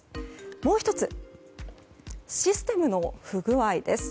もう１つのシステムの不具合です。